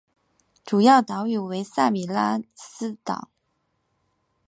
主要岛屿为萨拉米斯岛。